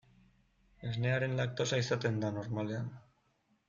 Esnearen laktosa izaten da, normalean.